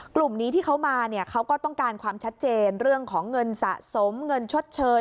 กลุ่มนี้ที่เขามาเนี่ยเขาก็ต้องการความชัดเจนเรื่องของเงินสะสมเงินชดเชย